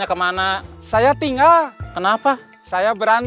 bahkan melihat overall misi m cybeault